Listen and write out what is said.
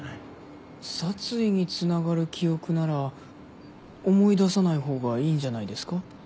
殺意につながる記憶なら思い出さない方がいいんじゃないですか？